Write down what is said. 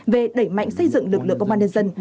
về đẩy mạnh xây dựng lực lượng công an nhân dân